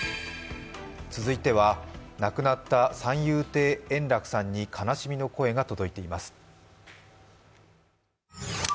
続いては、亡くなった三遊亭円楽さんに悲しみの声が届いています。